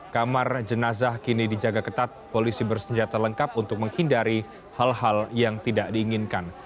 kamar jenazah kini dijaga ketat polisi bersenjata lengkap untuk menghindari hal hal yang tidak diinginkan